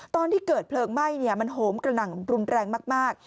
ตอนที่เกิดเพลิงไหม้มันโหมกระหน่ำรุนแรงมาก